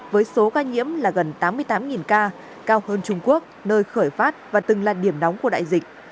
với số ca nhiễm là gần tám mươi tám ca cao hơn trung quốc nơi khởi phát và từng là điểm nóng của đại dịch